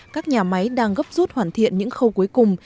các nhà máy đang gấp rút hoàn thiện những khâu cuối cùng